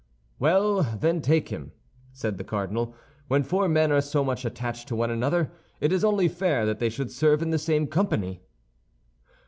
"Well, then, take him," said the cardinal; "when four men are so much attached to one another, it is only fair that they should serve in the same company."